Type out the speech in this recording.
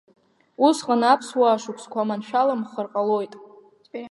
Усҟан аԥсуаа шәусқәа маншәаламхар ҟалоит…